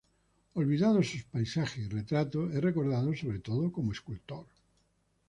Olvidados sus paisajes y retratos, es recordado sobre todo como escultor.